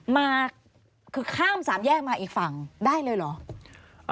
มาคือข้ามสามแยกมาอีกฝั่งได้เลยเหรอ